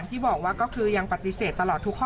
แต่วันนี้ก็คือรับสารภาพทุกข้อข้อหาทั้ง๒คนค่ะ